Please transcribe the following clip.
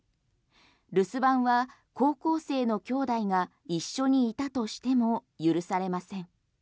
留守番は高校生の兄弟が一緒にいたとしても許されません。